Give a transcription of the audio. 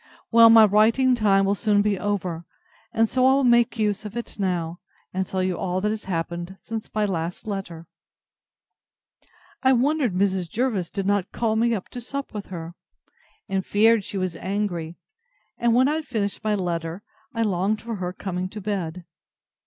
Well, my writing time will soon be over, and so I will make use of it now, and tell you all that has happened since my last letter. I wondered Mrs. Jervis did not call me to sup with her, and feared she was angry; and when I had finished my letter, I longed for her coming to bed.